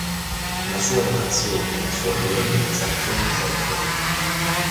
La sua datazione e la sua provenienza sono incerte.